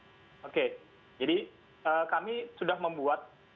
oke jadi kami sudah membuat